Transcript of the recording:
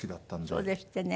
そうですってね。